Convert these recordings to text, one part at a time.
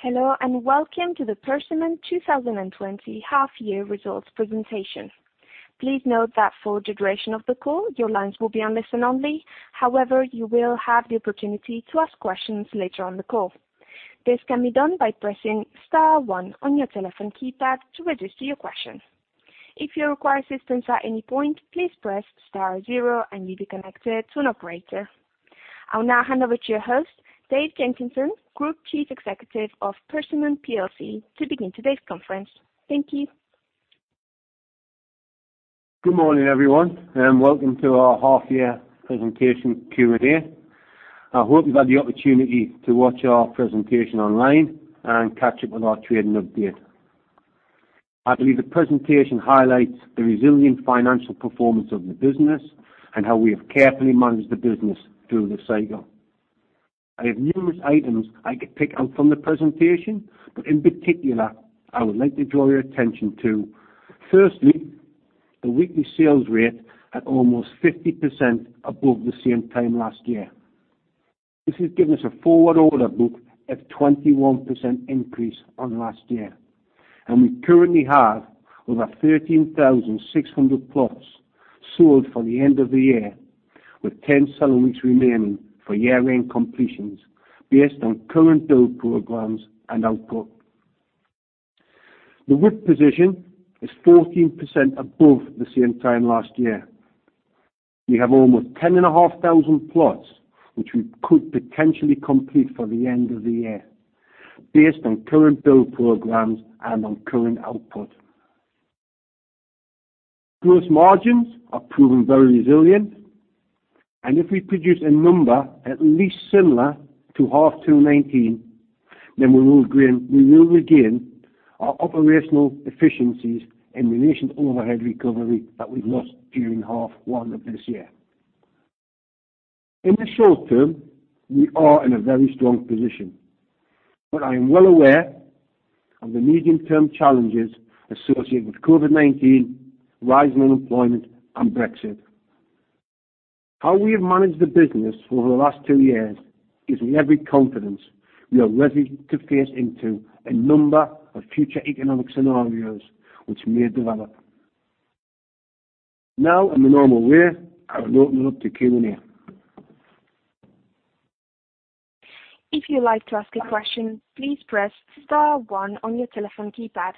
Hello, welcome to the Persimmon 2020 half-year results presentation. Please note that for the duration of the call, your lines will be on listen-only. You will have the opportunity to ask questions later on the call. This can be done by pressing star one on your telephone keypad to register your question. If you require assistance at any point, please press star zero and you'll be connected to an operator. I'll now hand over to your host, Dave Jenkinson, Group Chief Executive of Persimmon PLC, to begin today's conference. Thank you. Good morning, everyone, and welcome to our half year presentation Q&A. I hope you've had the opportunity to watch our presentation online and catch up with our trading update. I believe the presentation highlights the resilient financial performance of the business and how we have carefully managed the business through this cycle. I have numerous items I could pick out from the presentation, but in particular, I would like to draw your attention to, firstly, the weekly sales rate at almost 50% above the same time last year. This has given us a forward order book of 21% increase on last year, and we currently have over 13,600 plots sold for the end of the year, with 10 settlements remaining for year-end completions based on current build programs and output. The WIP position is 14% above the same time last year. We have almost 10,500 plots which we could potentially complete for the end of the year, based on current build programs and on current output. Gross margins are proving very resilient, if we produce a number at least similar to half 2019, then we will regain our operational efficiencies and related overhead recovery that we've lost during half one of this year. In the short term, we are in a very strong position, I am well aware of the medium-term challenges associated with COVID-19, rising unemployment, and Brexit. How we have managed the business over the last two years gives me every confidence we are ready to face into a number of future economic scenarios which may develop. In the normal way, I will open up to Q&A. If you'd like to ask a question, please press star one on your telephone keypad.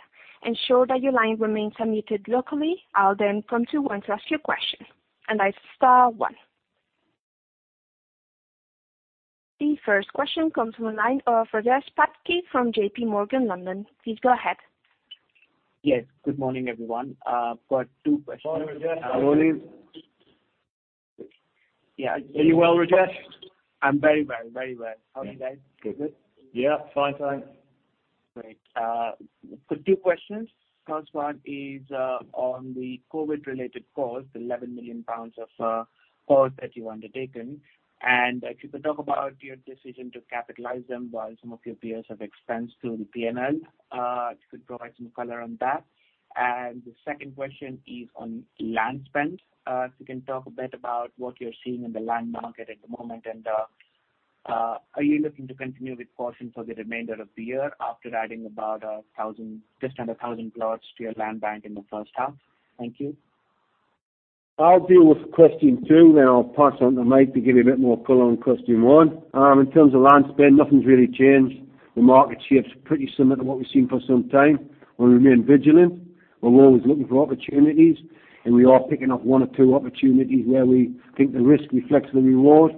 Ensure that your line remains unmuted locally. I'll then come to you when to ask your question. That's star one. The first question comes from the line of Rajesh Patki from JPMorgan, London. Please go ahead. Yes. Good morning, everyone. I've got two questions. Morning, Rajesh. I will leave. Are you well, Rajesh? I'm very well. How are you, Dave? Good. Yeah, fine, thanks. Great. I've got two questions. First one is on the COVID-19 related cost, 11 million pounds of cost that you've undertaken. If you could talk about your decision to capitalize them while some of your peers have expensed through the P&L. If you could provide some color on that. The second question is on land spend. If you can talk a bit about what you're seeing in the land market at the moment, are you looking to continue with caution for the remainder of the year after adding about just under 1,000 plots to your land bank in the first half? Thank you. I'll deal with question two, then I'll pass on to Mike to give you a bit more color on question one. In terms of land spend, nothing's really changed. The market shape's pretty similar to what we've seen for some time. We remain vigilant. We're always looking for opportunities, and we are picking up one or two opportunities where we think the risk reflects the reward.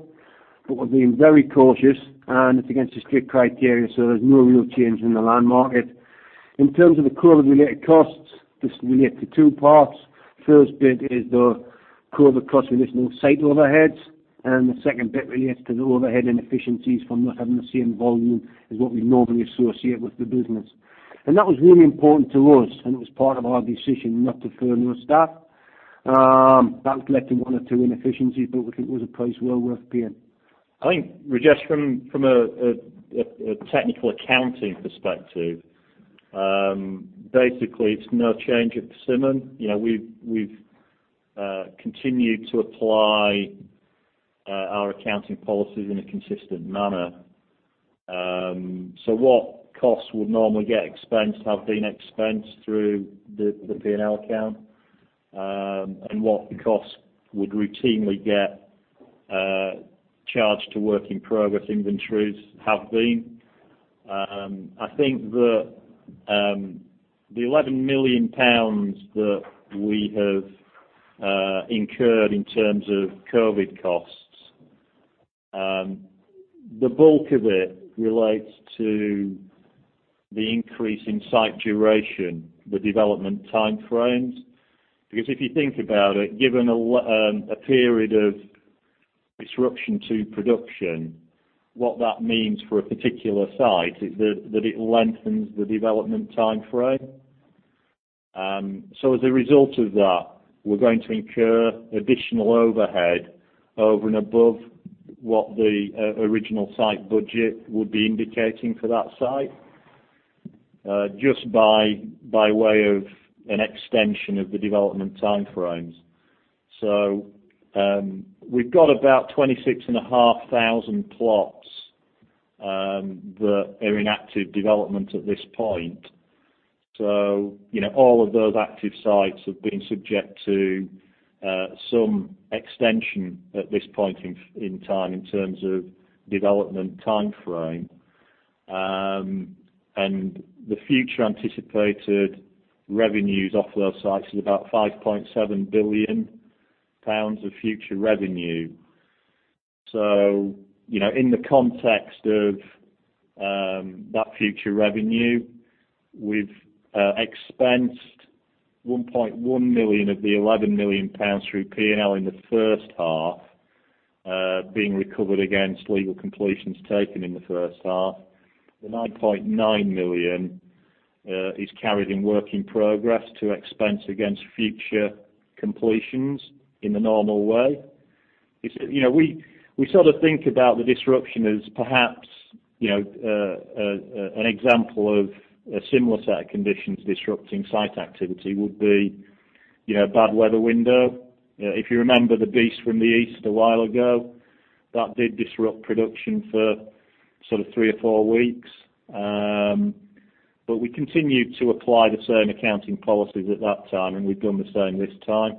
We're being very cautious, and it's against the strict criteria, so there's no real change in the land market. In terms of the COVID related costs, this relates to two parts. First bit is the COVID cost related to site overheads, and the second bit relates to the overhead and efficiencies from not having the same volume as what we normally associate with the business. That was really important to us, and it was part of our decision not to furlough staff. That was reflecting one or two inefficiencies, but we think it was a price well worth paying. I think, Rajesh, from a technical accounting perspective, basically it's no change at Persimmon. We've continued to apply our accounting policies in a consistent manner. What costs would normally get expensed have been expensed through the P&L account, what costs would routinely get charged to work in progress inventories have been. I think that the 11 million pounds that we have incurred in terms of COVID costs, the bulk of it relates to the increase in site duration with development time frames. If you think about it, given a period of disruption to production, what that means for a particular site is that it lengthens the development time frame. As a result of that, we're going to incur additional overhead over and above what the original site budget would be indicating for that site. Just by way of an extension of the development time frames. We've got about 26,500 plots that are in active development at this point. All of those active sites have been subject to some extension at this point in time in terms of development time frame. The future anticipated revenues off those sites is about £5.7 billion of future revenue. In the context of that future revenue, we've expensed 1.1 million of the £11 million through P&L in the first half, being recovered against legal completions taken in the first half. The 9.9 million is carried in work in progress to expense against future completions in the normal way. We sort of think about the disruption as perhaps, an example of a similar set of conditions disrupting site activity would be, bad weather window. If you remember the Beast from the East a while ago, that did disrupt production for three or four weeks. We continued to apply the same accounting policies at that time, and we've done the same this time.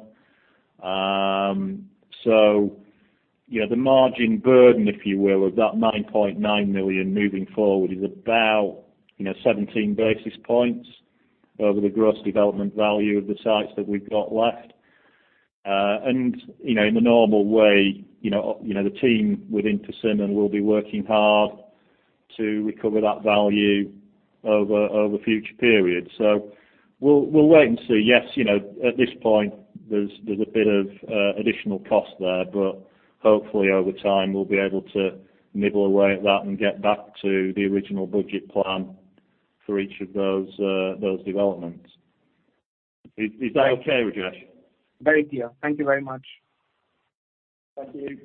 The margin burden, if you will, of that 9.9 million moving forward is about 17 basis points over the gross development value of the sites that we've got left. In the normal way, the team within Persimmon will be working hard to recover that value over future periods. We'll wait and see. Yes, at this point, there's a bit of additional cost there, but hopefully over time we'll be able to nibble away at that and get back to the original budget plan for each of those developments. Is that okay, Rajesh? Very clear. Thank you very much. Thank you.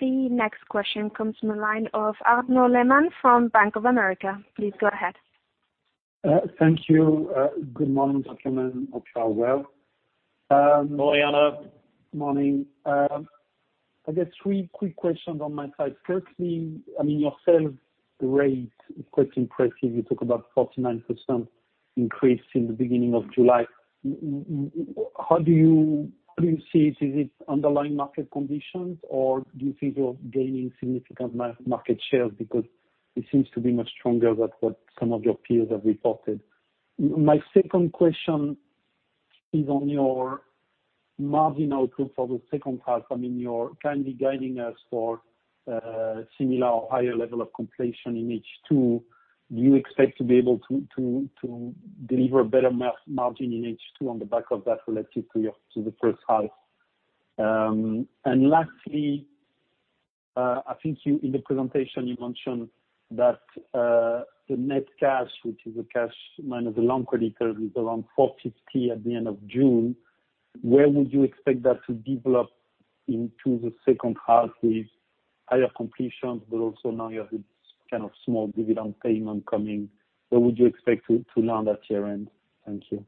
The next question comes from the line of Arnaud Lehmann from Bank of America. Please go ahead. Thank you. Good morning, gentlemen. Hope you are well. Morning, Arnaud. Morning. I've got three quick questions on my side. Your sales rate is quite impressive. You talk about 49% increase since the beginning of July. How do you see it? Is it underlying market conditions, or do you think you are gaining significant market shares because it seems to be much stronger than what some of your peers have reported. My second question is on your margin outlook for the second half. You are kindly guiding us for similar or higher level of completion in H2. Do you expect to be able to deliver better margin in H2 on the back of that relative to the first half? Lastly, I think in the presentation you mentioned that the net cash, which is the cash minus the loan creditors, is around 450 at the end of June. Where would you expect that to develop into the second half with higher completions, but also now you have this kind of small dividend payment coming? Where would you expect to land at year-end? Thank you.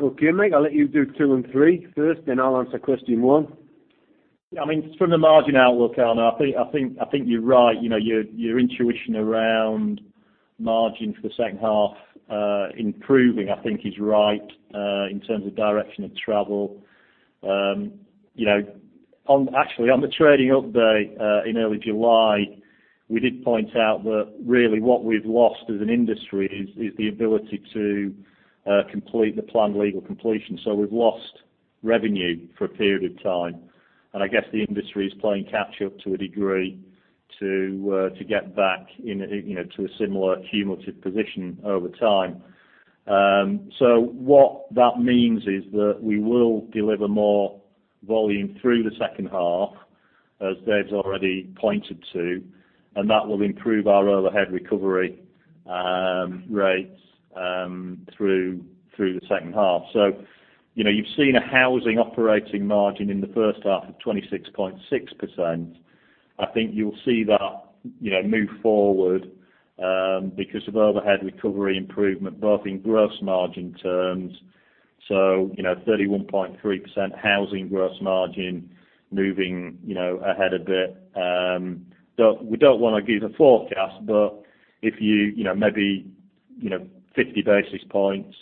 Okay, mate, I'll let you do two and three first, then I'll answer question one. From the margin outlook, Arnaud, I think you're right. Your intuition around margin for the second half improving, I think is right, in terms of direction of travel. Actually, on the trading update in early July, we did point out that really what we've lost as an industry is the ability to complete the planned legal completion. We've lost revenue for a period of time, and I guess the industry is playing catch up to a degree to get back to a similar cumulative position over time. What that means is that we will deliver more volume through the second half, as Dave has already pointed to, and that will improve our overhead recovery rates through the second half. You've seen a housing operating margin in the first half of 26.6%. I think you'll see that move forward because of overhead recovery improvement, both in gross margin terms, so 31.3% housing gross margin moving ahead a bit. We don't want to give a forecast, maybe 50 basis points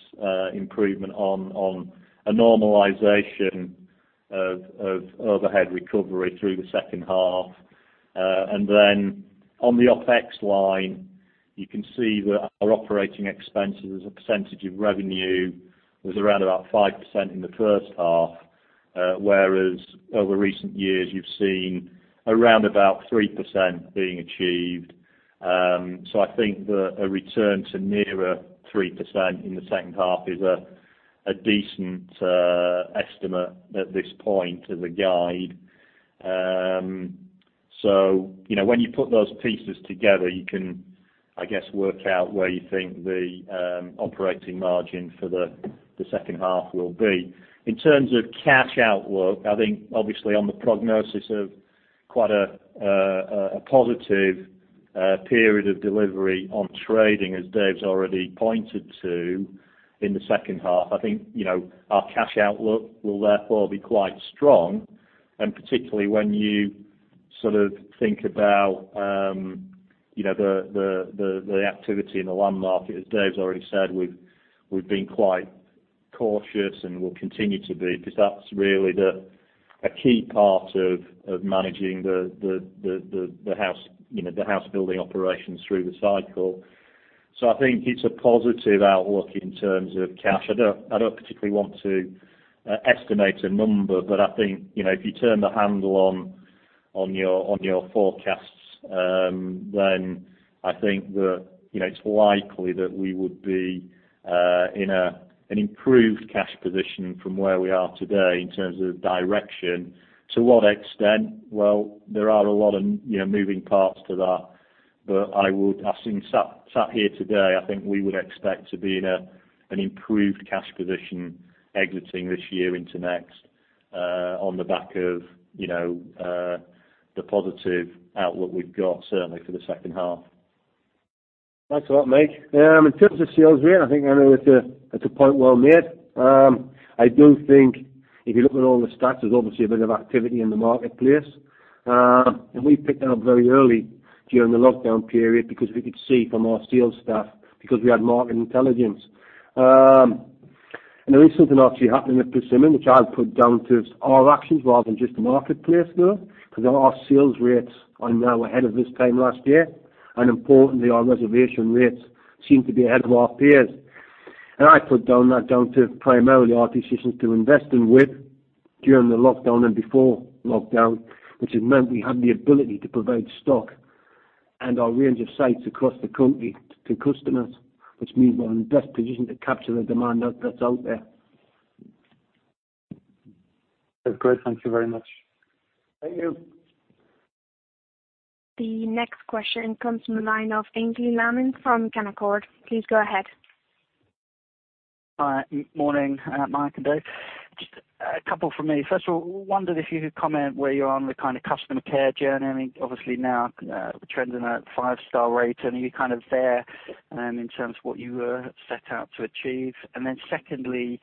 improvement on a normalization of overhead recovery through the second half. On the OpEx line, you can see that our operating expenses as a percentage of revenue was around about 5% in the first half, whereas over recent years you've seen around about 3% being achieved. I think that a return to nearer 3% in the second half is a decent estimate at this point as a guide. When you put those pieces together, you can, I guess, work out where you think the operating margin for the second half will be. In terms of cash outlook, I think obviously on the prognosis of quite a positive period of delivery on trading, as Dave's already pointed to in the second half. I think our cash outlook will therefore be quite strong, particularly when you think about the activity in the land market. As Dave's already said, we've been quite cautious and will continue to be, because that's really a key part of managing the house building operations through the cycle. I think it's a positive outlook in terms of cash. I don't particularly want to estimate a number, I think, if you turn the handle on your forecasts, I think that it's likely that we would be in an improved cash position from where we are today in terms of direction. To what extent? There are a lot of moving parts to that, but I would assume, sat here today, I think we would expect to be in an improved cash position exiting this year into next, on the back of the positive outlook we've got certainly for the second half. Thanks a lot, Mike. In terms of sales rate, I think it's a point well made. I do think if you look at all the stats, there's obviously a bit of activity in the marketplace. We picked it up very early during the lockdown period because we could see from our sales staff, because we had market intelligence. There is something actually happening at Persimmon, which I'd put down to our actions rather than just the marketplace, though, because our sales rates are now ahead of this time last year. Importantly, our reservation rates seem to be ahead of our peers. I put that down to primarily our decisions to invest in WIP during the lockdown and before lockdown, which has meant we have the ability to provide stock and our range of sites across the country to customers, which means we are in the best position to capture the demand that is out there. That's great. Thank you very much. Thank you. The next question comes from the line of Aynsley Lammin from Canaccord. Please go ahead. Hi. Morning, Mike and Dave. Just a couple from me. First of all, wondered if you could comment where you are on the kind of customer care journey. I mean, obviously now trending at five-star rate, and are you kind of there in terms of what you were set out to achieve? Secondly,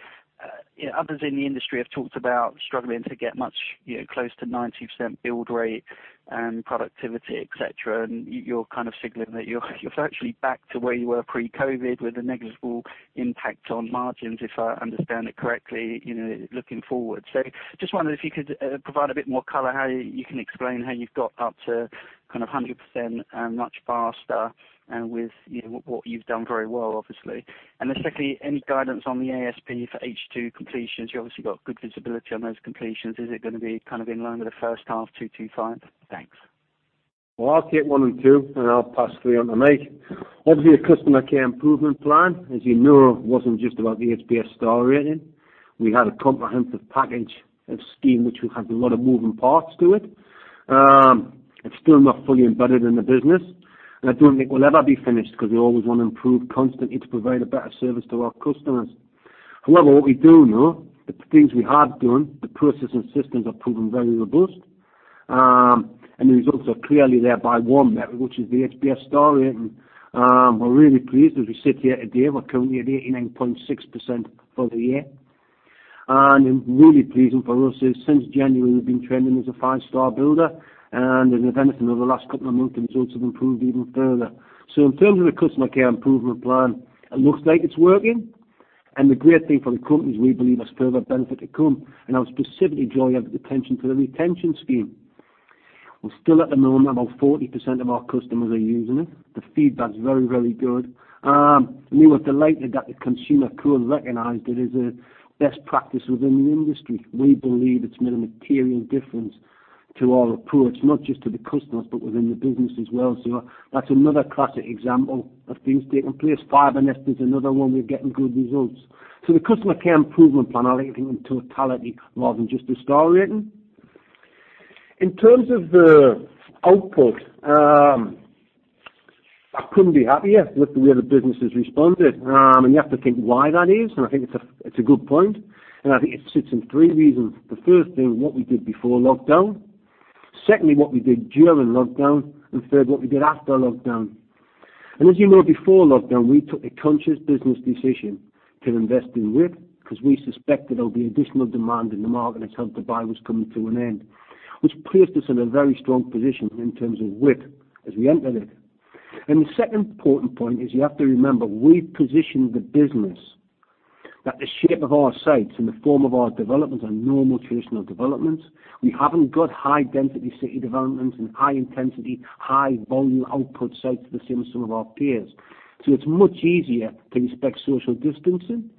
others in the industry have talked about struggling to get much close to 90% build rate and productivity, et cetera, and you're kind of signaling that you're virtually back to where you were pre-COVID with a negligible impact on margins, if I understand it correctly, looking forward. Just wondered if you could provide a bit more color how you can explain how you've got up to kind of 100% much faster and with what you've done very well, obviously. Secondly, any guidance on the ASP for H2 completions? You obviously got good visibility on those completions. Is it going to be kind of in line with the first half's 225? Thanks. Well, I'll take one and two, and I'll pass three on to Mike. A customer care improvement plan, as you know, wasn't just about the HBF star rating. We had a comprehensive package of scheme which will have a lot of moving parts to it. It's still not fully embedded in the business. I don't think we'll ever be finished because we always want to improve constantly to provide a better service to our customers. What we do know, the things we have done, the process and systems have proven very robust. The results are clearly there by one metric, which is the HBF star rating. We're really pleased as we sit here today, we're currently at 89.6% for the year. Really pleasing for us is since January, we've been trending as a five-star builder, and in the event of the last couple of months, things also have improved even further. In terms of the customer care improvement plan, it looks like it's working. The great thing for the company is we believe there's further benefit to come, and I would specifically draw your attention to the retention scheme. Well, still at the moment, about 40% of our customers are using it. The feedback's very, very good. We were delighted that the Consumer Code recognized it as a best practice within the industry. We believe it's made a material difference to our approach, not just to the customers, but within the business as well. That's another classic example of things taking place. FibreNest is another one we're getting good results. The customer care improvement plan, I look at in totality rather than just the star rating. In terms of the output, I couldn't be happier with the way the business has responded. You have to think why that is, and I think it's a good point, and I think it sits in three reasons. The first being what we did before lockdown. Secondly, what we did during lockdown, and third, what we did after lockdown. As you know, before lockdown, we took a conscious business decision to invest in WIP because we suspected there'll be additional demand in the market as Help to Buy was coming to an end, which placed us in a very strong position in terms of WIP as we entered it. The second important point is you have to remember, we positioned the business that the shape of our sites and the form of our developments are normal, traditional developments. We haven't got high-density city developments and high intensity, high volume output sites the same as some of our peers. It's much easier to respect social distancing.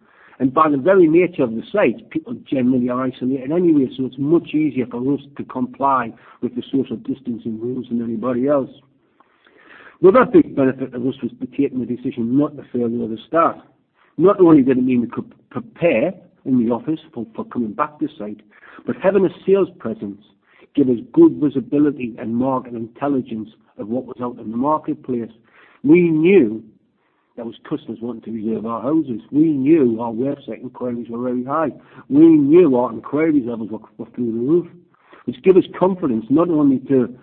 By the very nature of the sites, people generally are isolated anyway, so it's much easier for us to comply with the social distancing rules than anybody else. The other big benefit of us was taking the decision not to furlough the staff. Not only did it mean we could prepare in the office for coming back to site, but having a sales presence gave us good visibility and market intelligence of what was out in the marketplace. We knew there were customers wanting to reserve our houses. We knew our website inquiries were really high. We knew our inquiries levels were through the roof, which gave us confidence not only to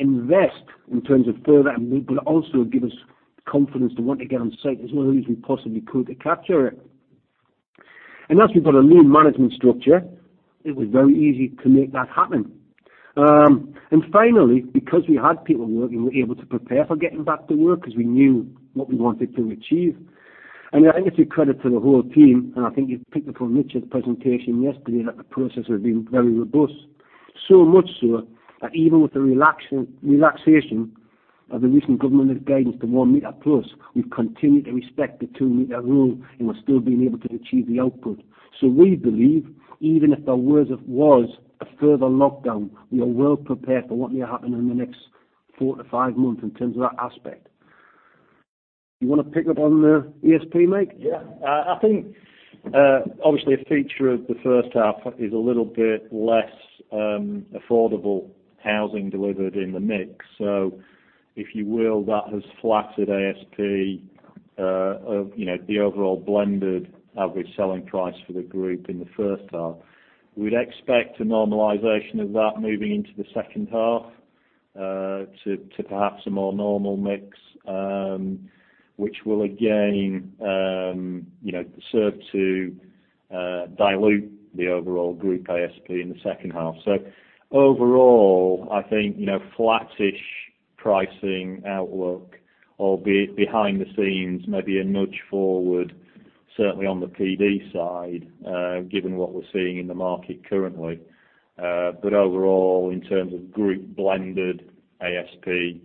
invest in terms of further, but also it gave us confidence to want to get on site as early as we possibly could to capture it. As we've got a lean management structure, it was very easy to make that happen. Finally, because we had people working, we were able to prepare for getting back to work as we knew what we wanted to achieve. I think it's a credit to the whole team, and I think you picked up on Richard's presentation yesterday, that the process has been very robust. Much so that even with the relaxation of the recent government guidance to 1+ meter, we've continued to respect the 2-meter rule, and we're still being able to achieve the output. We believe even if there was a further lockdown, we are well prepared for what may happen in the next four to five months in terms of that aspect. You want to pick up on the ASP, Mike? I think, obviously, a feature of the first half is a little bit less affordable housing delivered in the mix. If you will, that has flattered ASP of the overall blended average selling price for the group in the first half. We'd expect a normalization of that moving into the second half to perhaps a more normal mix, which will again serve to dilute the overall group ASP in the second half. Overall, I think, flattish pricing outlook, albeit behind the scenes, maybe a nudge forward, certainly on the PD side, given what we're seeing in the market currently. Overall, in terms of group blended ASP,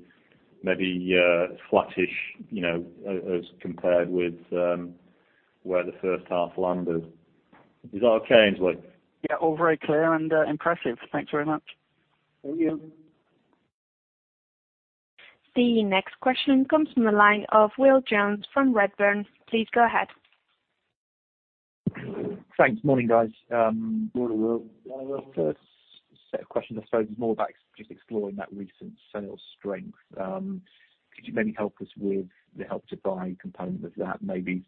maybe flattish as compared with where the first half landed. Is that okay, Aynsley? Yeah. All very clear and impressive. Thanks very much. Thank you. The next question comes from the line of Will Jones from Redburn. Please go ahead. Thanks. Morning, guys. Morning, Will. My first set of questions, I suppose, more about just exploring that recent sales strength. Could you maybe help us with the Help to Buy component of that? Maybe,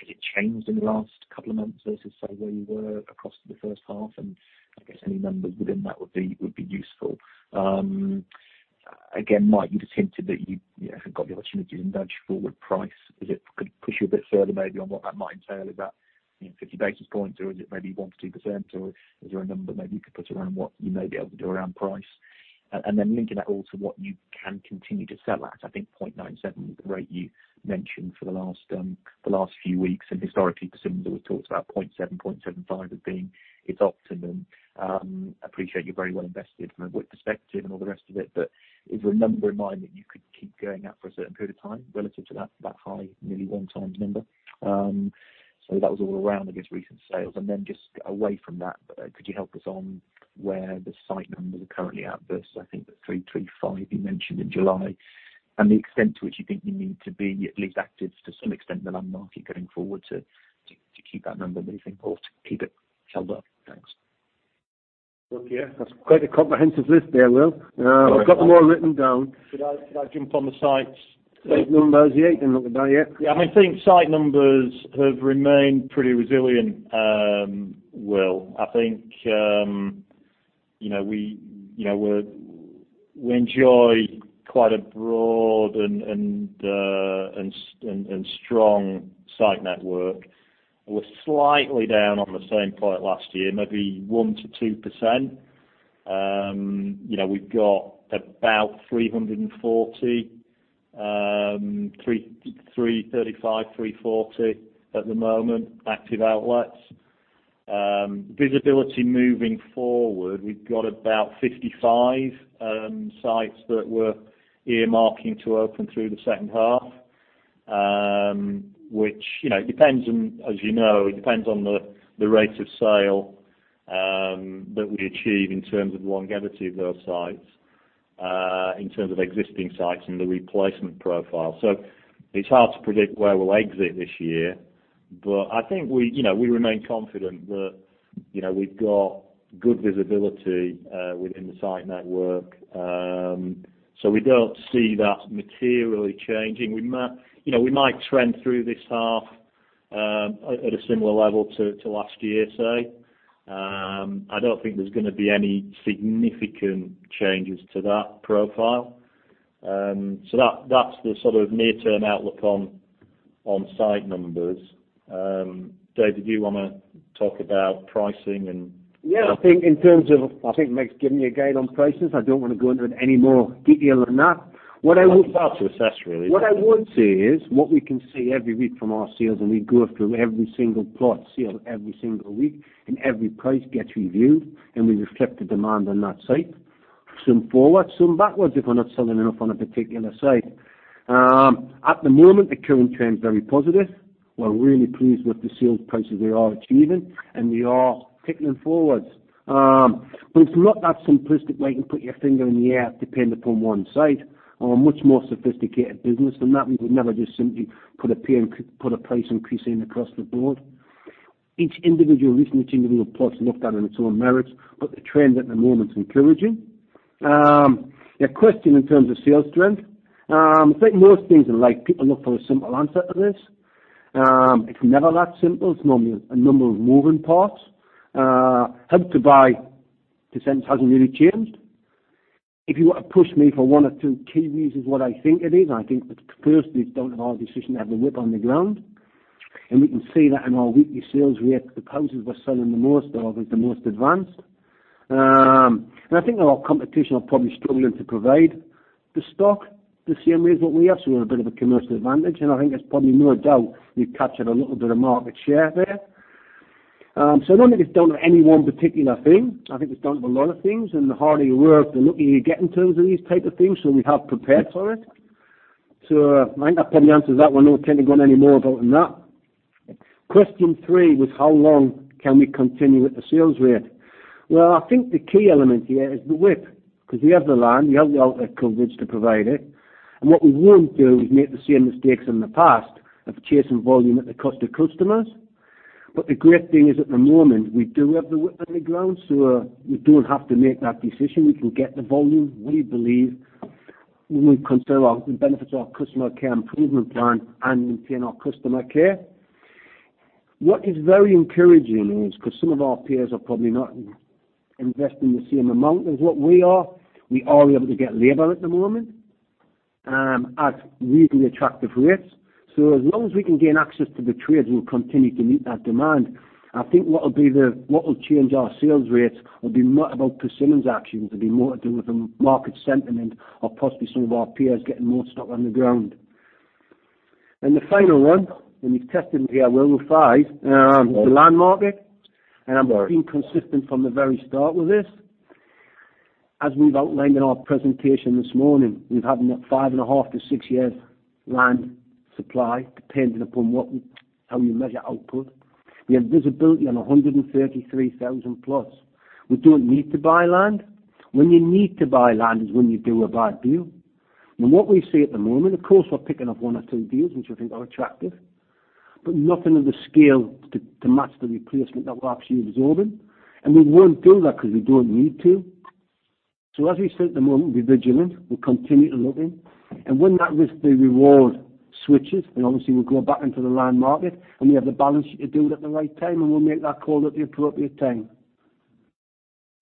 has it changed in the last couple of months versus, say, where you were across the first half? I guess any numbers within that would be useful. Again, Mike, you just hinted that you have got the opportunity to nudge forward price. Could you push you a bit further maybe on what that might entail? Is that 50 basis points, or is it maybe 1%-2%? Is there a number maybe you could put around what you may be able to do around price? Then linking that all to what you can continue to sell at. I think 0.97 was the rate you mentioned for the last few weeks. Historically, Persimmon has always talked about 0.7, 0.75 as being its optimum. I appreciate you're very well invested from a WIP perspective and all the rest of it. Is there a number in mind that you could keep going at for a certain period of time relative to that high, nearly 1x number? That was all around, I guess, recent sales. Just away from that, could you help us on where the site numbers are currently at versus, I think the 335 you mentioned in July, and the extent to which you think you need to be at least active to some extent in the land market going forward to keep that number moving forward to keep it held up? Thanks. Look, yeah. That's quite a comprehensive list there, Will. I've got them all written down. Should I jump on the sites? Site numbers, yeah. You can look at that, yeah. I think site numbers have remained pretty resilient, Will. I think we enjoy quite a broad and strong site network. We're slightly down on the same point last year, maybe 1%-2%. We've got about 340, 335, 340 at the moment, active outlets. Visibility moving forward, we've got about 55 sites that we're earmarking to open through the second half. As you know, it depends on the rate of sale that we achieve in terms of longevity of those sites, in terms of existing sites and the replacement profile. It's hard to predict where we'll exit this year, but I think we remain confident that we've got good visibility within the site network. We don't see that materially changing. We might trend through this half at a similar level to last year, say. I don't think there's going to be any significant changes to that profile. That's the sort of near-term outlook on site numbers. Dave, did you want to talk about pricing? Yeah, I think Mike's given you a guide on prices. I don't want to go into it any more detail than that. It's hard to assess, really. What I would say is what we can see every week from our sales. We go through every single plot sale every single week. Every price gets reviewed. We reflect the demand on that site. Some forward, some backwards, if we're not selling enough on a particular site. At the moment, the current trend is very positive. We're really pleased with the sales prices we are achieving. We are ticking them forwards. It's not that simplistic where you can put your finger in the air dependent upon one site. We are a much more sophisticated business than that. We would never just simply put a price increase in across the board. Each individual regional team will report and looked at on its own merits. The trend at the moment is encouraging. Your question in terms of sales strength. I think most things in life, people look for a simple answer to this. It's never that simple. It's normally a number of moving parts. Help to Buy percent hasn't really changed. If you were to push me for one or two key reasons what I think it is, I think it's firstly, down to our decision to have the WIP on the ground. We can see that in our weekly sales rate, the houses we're selling the most are the most advanced. I think a lot of competition are probably struggling to provide the stock the same way as what we have, so we have a bit of a commercial advantage, and I think there's probably no doubt we've captured a little bit of market share there. I don't think it's down to any one particular thing. I think it's down to a lot of things, the harder you work, the luckier you get in terms of these type of things, we have prepared for it. I think that probably answers that one. Not intending to go on any more about that. Question three was how long can we continue at the sales rate? I think the key element here is the WIP, because we have the land, we have the outlet coverage to provide it. What we won't do is make the same mistakes in the past of chasing volume at the cost of customers. The great thing is at the moment, we do have the WIP in the ground, we don't have to make that decision. We can get the volume, we believe, when we consider the benefits of our customer care improvement plan and maintain our customer care. What is very encouraging is, because some of our peers are probably not investing the same amount as what we are, we are able to get labor at the moment at reasonably attractive rates. As long as we can gain access to the trades, we'll continue to meet that demand. I think what will change our sales rates will be not about Persimmon's actions. It will be more to do with the market sentiment or possibly some of our peers getting more stock on the ground. The final one, and you've tested me here well with five, is the land market. I've been consistent from the very start with this. As we've outlined in our presentation this morning, we have five and a half to six years land supply, depending upon how you measure output. We have visibility on 133,000+. We don't need to buy land. When you need to buy land is when you do a bad deal. What we see at the moment, of course, we're picking up one or two deals which we think are attractive, but nothing of the scale to match the replacement that we're actually absorbing. We won't do that because we don't need to. As we sit at the moment, we're vigilant, we're continuing looking, and when that risk to reward switches, then obviously we'll go back into the land market, and we have the balance sheet to do it at the right time, and we'll make that call at the appropriate time.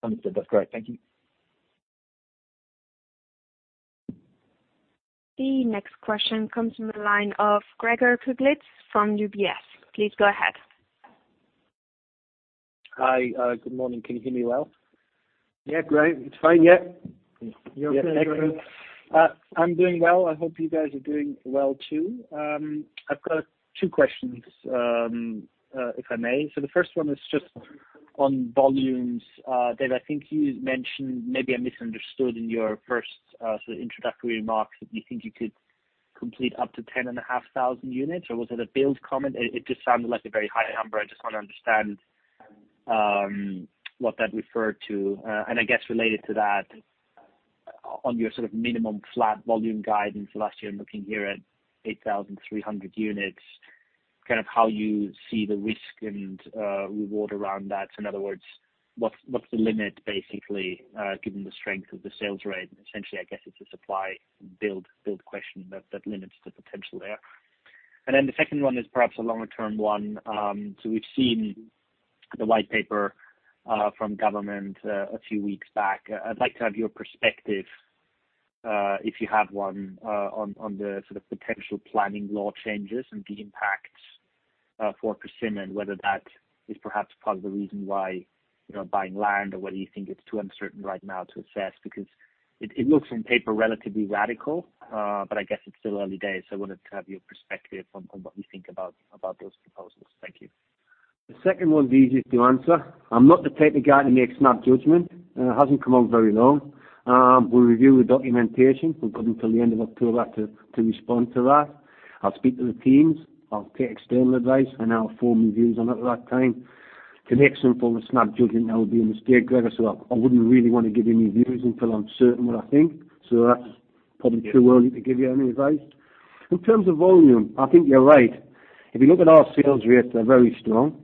Understood. That's great. Thank you. The next question comes from the line of Gregor Kuglitsch from UBS. Please go ahead. Hi. Good morning. Can you hear me well? Yeah, great. It's fine, yeah. You okay, Gregor? Excellent. I'm doing well. I hope you guys are doing well, too. I've got two questions, if I may. The first one is just on volumes. Dave, I think you mentioned, maybe I misunderstood in your first sort of introductory remarks, that you think you could complete up to 10,500 units, or was it a build comment? It just sounded like a very high number. I just want to understand what that referred to. I guess related to that, on your sort of minimum flat volume guidance for last year, I'm looking here at 8,300 units, kind of how you see the risk and reward around that. In other words, what's the limit, basically, given the strength of the sales rate? Essentially, I guess it's a supply build question that limits the potential there. Then the second one is perhaps a longer-term one. We've seen the white paper from government a few weeks back. I'd like to have your perspective, if you have one, on the sort of potential planning law changes and the impacts for Persimmon, whether that is perhaps part of the reason why buying land, or whether you think it's too uncertain right now to assess. It looks on paper relatively radical, but I guess it's still early days. I wanted to have your perspective on what you think about those proposals. Thank you. The second one is easy to answer. I'm not the type of guy that makes snap judgment. It hasn't come out very long. We'll review the documentation. We've got until the end of October to respond to that. I'll speak to the teams. I'll take external advice. I'll form my views on it at that time. To make some form of snap judgment now would be a mistake, Gregor. I wouldn't really want to give you any views until I'm certain what I think. That's probably too early to give you any advice. In terms of volume, I think you're right. If you look at our sales rates, they're very strong,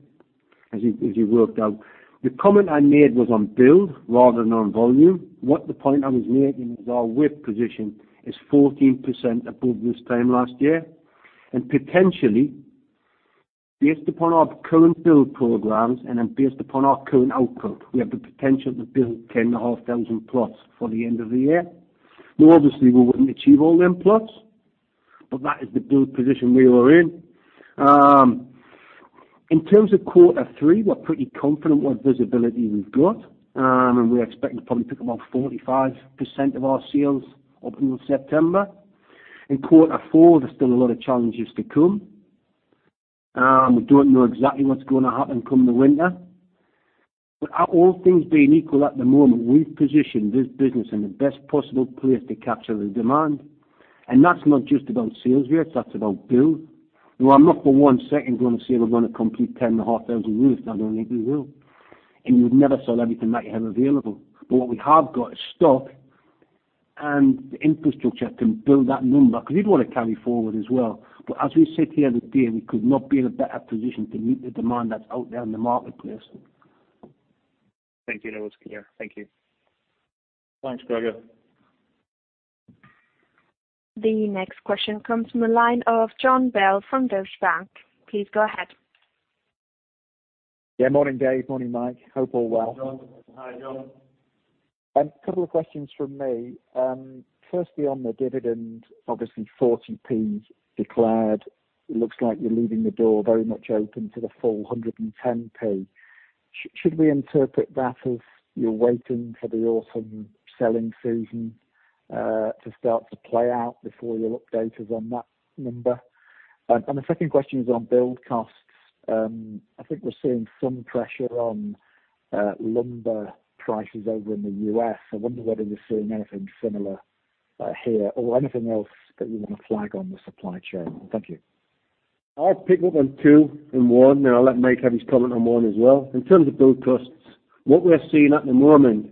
as you worked out. The comment I made was on build rather than on volume. What the point I was making is our WIP position is 14% above this time last year. Potentially, based upon our current build programs and then based upon our current output, we have the potential to build 10,500 plots for the end of the year. Obviously, we wouldn't achieve all them plots, but that is the build position we were in. In terms of quarter three, we're pretty confident what visibility we've got. We're expecting to probably pick up about 45% of our sales up until September. In quarter four, there's still a lot of challenges to come. We don't know exactly what's going to happen come the winter. All things being equal at the moment, we've positioned this business in the best possible place to capture the demand. That's not just about sales rates, that's about build. I'm not for one second going to say we're going to complete 10,500 units. I don't think we will. You would never sell everything that you have available. What we have got is stock. The infrastructure can build that number because we do want to carry forward as well. As we sit here today, we could not be in a better position to meet the demand that's out there in the marketplace. Thank you, Dave. Thank you. Thanks, Gregor. The next question comes from the line of John Bell from Deutsche Bank. Please go ahead. Yeah, morning Dave, morning Mike. Hope all well. Morning, John. Hi, John. A couple of questions from me. Firstly, on the dividend, obviously 0.40 declared. Looks like you're leaving the door very much open to the full 1.10. Should we interpret that as you're waiting for the autumn selling season to start to play out before you'll update us on that number? The second question is on build costs. I think we're seeing some pressure on lumber prices over in the U.S. I wonder whether you're seeing anything similar here or anything else that you want to flag on the supply chain. Thank you. I'll pick up on two and one, and I'll let Mike have his comment on one as well. In terms of build costs, what we are seeing at the moment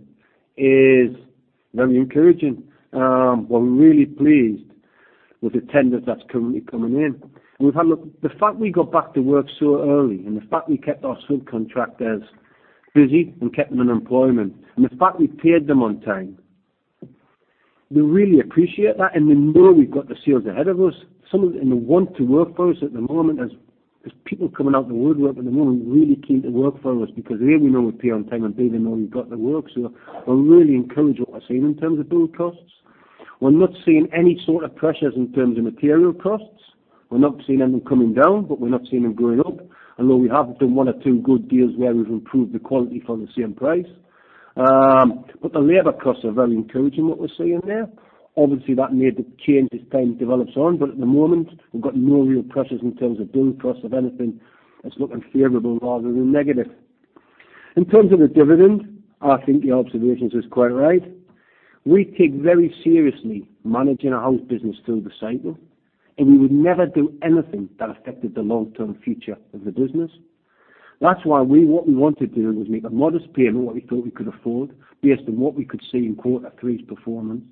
is very encouraging. We're really pleased with the tenders that's currently coming in. The fact we got back to work so early and the fact we kept our subcontractors busy and kept them in employment, and the fact we paid them on time, they really appreciate that, and they know we've got the sales ahead of us. Some of them want to work for us at the moment as people coming out the woodwork at the moment are really keen to work for us because they know we pay on time and they know we've got the work. We're really encouraged what we're seeing in terms of build costs. We're not seeing any sort of pressures in terms of material costs. We're not seeing any coming down, but we're not seeing them going up. We have done one or two good deals where we've improved the quality for the same price. The labor costs are very encouraging what we're seeing there. Obviously, that may change as time develops on, but at the moment, we've got no real pressures in terms of build costs of anything that's looking favorable rather than negative. In terms of the dividend, I think your observations are quite right. We take very seriously managing a house business through the cycle, and we would never do anything that affected the long-term future of the business. What we want to do is make a modest payment what we thought we could afford based on what we could see in quarter three's performance.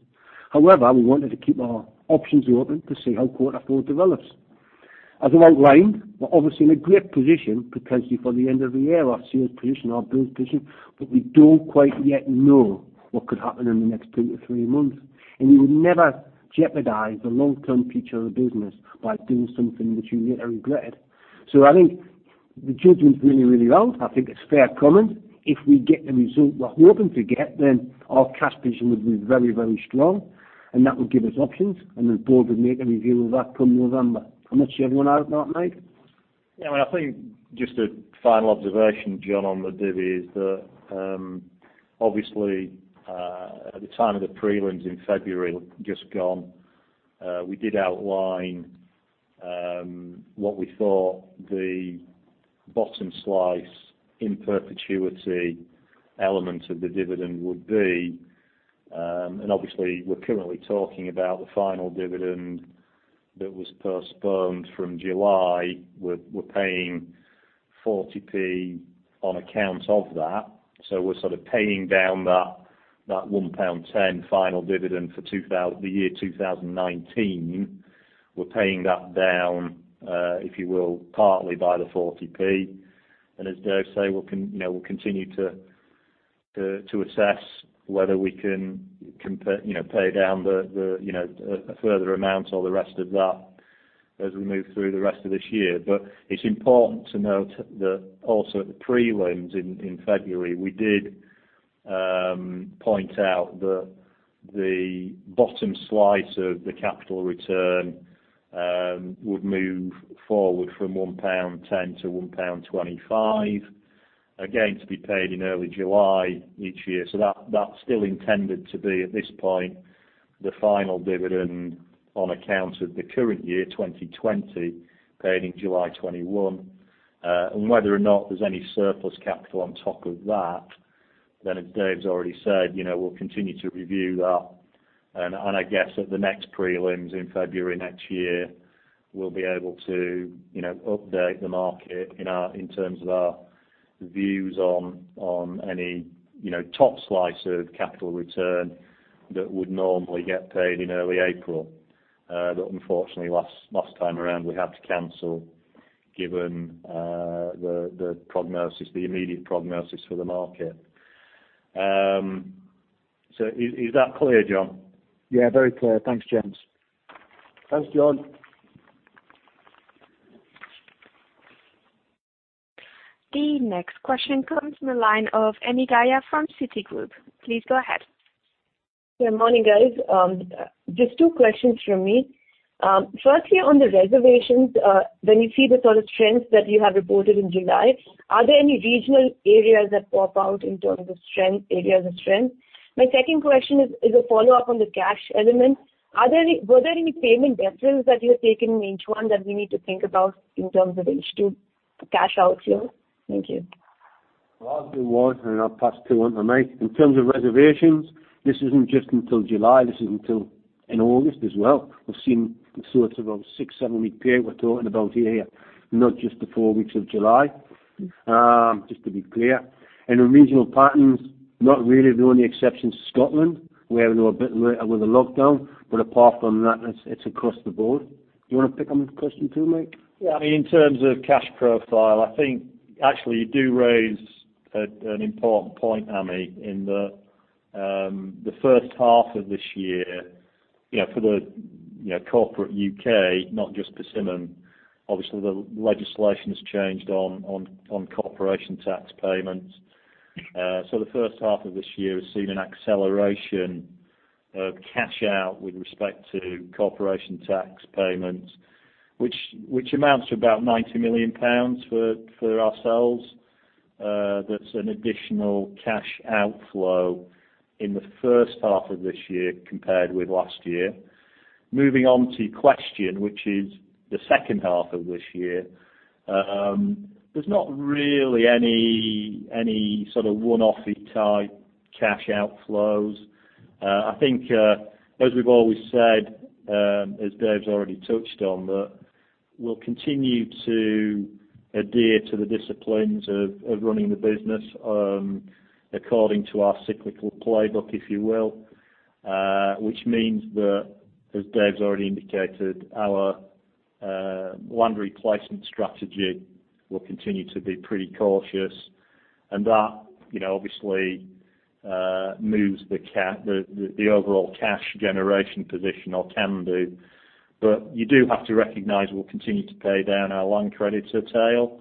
We wanted to keep our options open to see how quarter four develops. As I outlined, we're obviously in a great position potentially for the end of the year, our sales position, our build position, but we don't quite yet know what could happen in the next two to three months. You would never jeopardize the long-term future of the business by doing something that you later regretted. I think the judgment is really sound. I think it's fair comment. If we get the result we're hoping to get, then our cash position would be very strong, and that would give us options, and the board would make a review of that come November. I'm not sure you want to add to that, Mike. Yeah, I think just a final observation, John, on the divvy is that obviously, at the time of the prelims in February just gone, we did outline what we thought the bottom slice in perpetuity element of the dividend would be. Obviously, we're currently talking about the final dividend that was postponed from July. We're paying 0.40 on account of that. We're sort of paying down that 1.10 pound final dividend for the year 2019. We're paying that down, if you will, partly by the 0.40. As Dave say, we'll continue to assess whether we can pay down a further amount or the rest of that as we move through the rest of this year. It's important to note that also at the prelims in February, we did point out that the bottom slice of the capital return would move forward from 1.10 pound to 1.25 pound, again, to be paid in early July each year. That's still intended to be, at this point, the final dividend on account of the current year, 2020, paid in July 2021. Whether or not there's any surplus capital on top of that, then as Dave's already said, we'll continue to review that. I guess at the next prelims in February 2021, we'll be able to update the market in terms of our views on any top slice of capital return that would normally get paid in early April. Unfortunately, last time around, we had to cancel given the immediate prognosis for the market. Is that clear, John? Yeah, very clear. Thanks, gents. Thanks, John. The next question comes from the line of Anindya from Citigroup. Please go ahead. Morning, guys. Just two questions from me. Firstly, on the reservations, when you see the sort of trends that you have reported in July, are there any regional areas that pop out in terms of areas of strength? My second question is a follow-up on the cash element. Were there any payment deferrals that you have taken in H1 that we need to think about in terms of H2 cash outs here? Thank you. I'll answer one, and I'll pass two on to Mike. In terms of reservations, this isn't just until July, this is until August as well. We've seen sort of a six, seven-week period we're talking about here, not just the four weeks of July, just to be clear. The regional patterns, not really the only exception to Scotland. We have a little bit with the lockdown, but apart from that, it's across the board. You want to pick on the question two, Mike? Yeah. In terms of cash profile, I think actually you do raise an important point, Anin, in the first half of this year. For the corporate U.K., not just Persimmon, obviously the legislation has changed on corporation tax payments. The first half of this year has seen an acceleration of cash out with respect to corporation tax payments, which amounts to about 90 million pounds for ourselves. That's an additional cash outflow in the first half of this year compared with last year. Moving on to your question, which is the second half of this year. There's not really any sort of one-offy type cash outflows. I think, as we've always said, as Dave's already touched on, that we'll continue to adhere to the disciplines of running the business, according to our cyclical playbook, if you will. Which means that, as Dave's already indicated, our land replacement strategy will continue to be pretty cautious, and that obviously moves the overall cash generation position, or can do. You do have to recognize we'll continue to pay down our land creditor tail.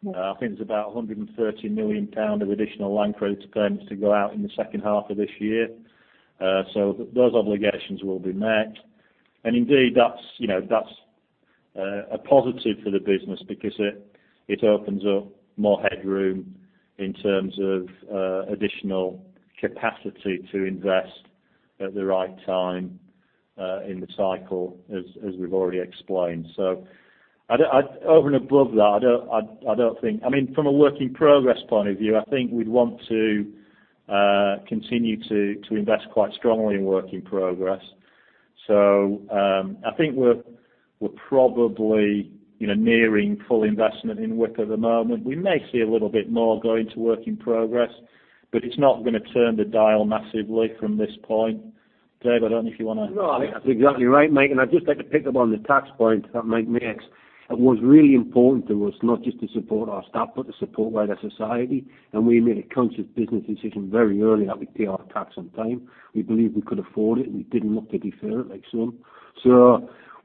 Yeah. I think there's about 130 million pound of additional land credit payments to go out in the second half of this year. Those obligations will be met. Indeed, that's a positive for the business because it opens up more headroom in terms of additional capacity to invest at the right time in the cycle, as we've already explained. Over and above that, I don't think From a work-in-progress point of view, I think we'd want to continue to invest quite strongly in work in progress. I think we're probably nearing full investment in WIP at the moment. We may see a little bit more going to work in progress, but it's not going to turn the dial massively from this point. Dave, I don't know if you want to- No, I think that's exactly right, Mike. I'd just like to pick up on the tax point that Mike makes. It was really important to us not just to support our staff, but to support wider society. We made a conscious business decision very early that we pay our tax on time. We believed we could afford it, and we didn't look to defer it like some.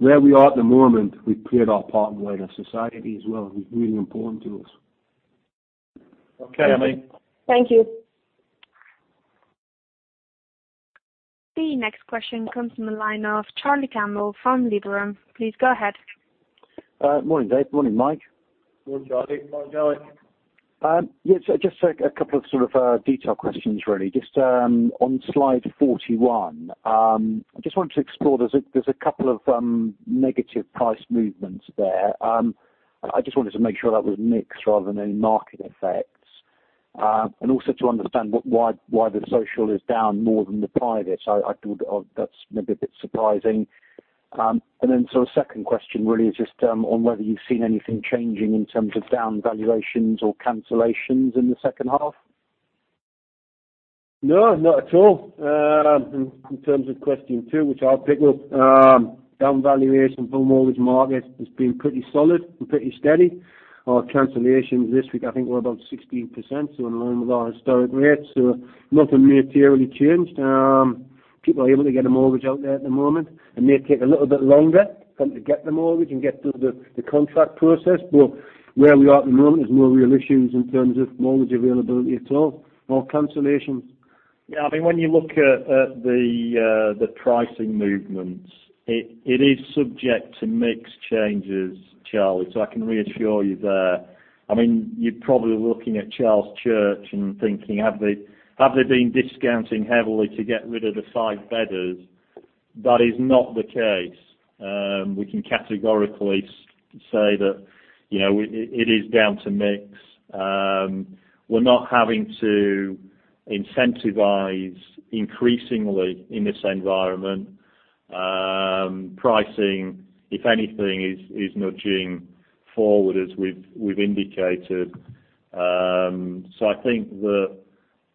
Where we are at the moment, we've played our part in wider society as well. It was really important to us. Okay, Anin. Thank you. The next question comes from the line of Charlie Campbell from Liberum. Please go ahead. Morning, Dave. Morning, Mike. Morning, Charlie. Morning, Charlie. Yes, just a couple of detail questions, really. Just on slide 41, I just wanted to explore, there's a couple of negative price movements there. I just wanted to make sure that was mix rather than any market effects. Also to understand why the social is down more than the private. I thought that's maybe a bit surprising. A second question, really, is just on whether you've seen anything changing in terms of down valuations or cancellations in the second half. No, not at all. In terms of question two, which I'll pick up. Down valuation for mortgage market has been pretty solid and pretty steady. Our cancellations this week, I think we're about 16%, so in line with our historic rates. Nothing materially changed. People are able to get a mortgage out there at the moment. It may take a little bit longer for them to get the mortgage and get through the contract process. Where we are at the moment, there's no real issues in terms of mortgage availability at all, or cancellations. When you look at the pricing movements, it is subject to mix changes, Charlie, so I can reassure you there. You're probably looking at Charles Church and thinking, have they been discounting heavily to get rid of the five-bedders? That is not the case. We can categorically say that it is down to mix. We're not having to incentivize increasingly in this environment. Pricing, if anything, is nudging forward as we've indicated. I think that